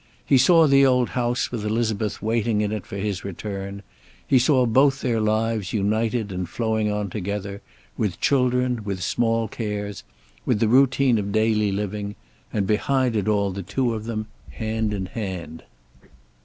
He saw the old house with Elizabeth waiting in it for his return; he saw both their lives united and flowing on together, with children, with small cares, with the routine of daily living, and behind it all the two of them, hand in hand.